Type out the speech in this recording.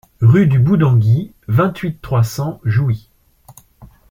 Rue du Bout d'Anguy, vingt-huit, trois cents Jouy